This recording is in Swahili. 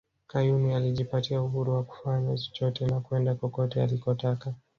Kayuni alijipatia uhuru wa kufanya chochote na kwenda kokote alikotaka